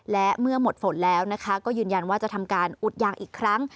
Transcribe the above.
และเมื่อหมดฝนแล้วนะคะก็ยืนยันว่าจะทำการอุดยางอีกครั้ง